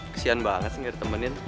kesian banget sih nggak ditemenin